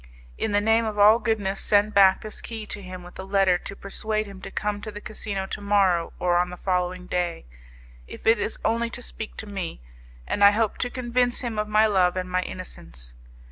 In the name of all goodness, send back this key to him with a letter to persuade him to come to the casino to morrow or on the following day, if it is only to speak to me; and I hope to convince him of my love and my innocence.